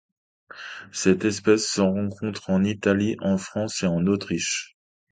Cette espèce se rencontre en Italie, en France et en Autriche.